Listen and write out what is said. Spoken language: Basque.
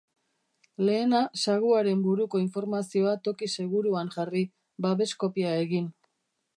Lehena, saguaren buruko informazioa toki seguruan jarri, babes kopia egin.